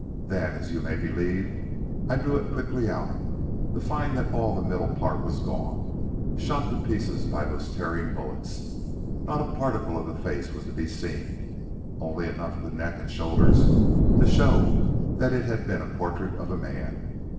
Then, as you may believe, I drew it quickly out, to find that all the middle part was gone shot to pieces by those tearing bullets. Not a particle of the face was to be seen, and only enough of the neck and shoulders to show that it had been the portrait of a man.